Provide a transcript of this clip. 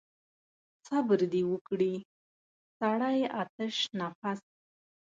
صبر دې وکړي سړی آتش نفس.